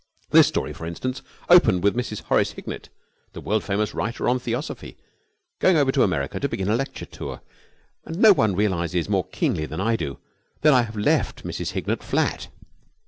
This story, for instance, opened with Mrs. Horace Hignett, the world famous writer on Theosophy, going over to America to begin a lecture tour; and no one realises more keenly than I do that I have left Mrs. Hignett flat.